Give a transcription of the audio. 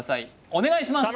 お願いします